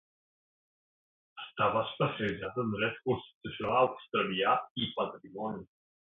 Estava especialitzat en dret constitucional australià i patrimoni.